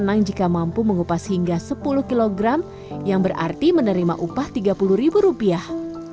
senang jika mampu mengupas hingga sepuluh kg yang berarti menerima upah tiga puluh ribu rupiah